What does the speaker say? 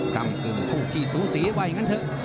กำกึ่งคู่ขี้สูสีว่าอย่างนั้นเถอะ